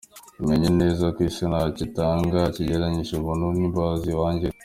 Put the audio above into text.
Menye neza ko isi ntacyo itanga kirengeje ubuntu n'imbabazi wangiriye,.